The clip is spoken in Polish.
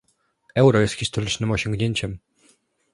Euro jest historycznym osiągnięciem